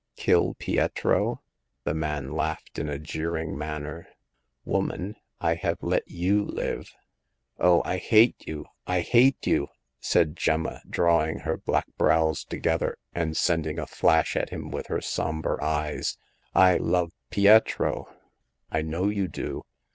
Kill Pietro !"— the man laughed in a jeering manner —woman, I have let you live." Oh, I hate you ! I hate you !" said Gemma, drawing her black brows together, and sending a flash at him from her somber eyes. I love Pietro !"I know you do.